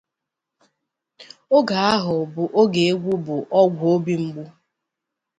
Oge ahụ bụ oge egwu bụ ọgwụ obi mgbu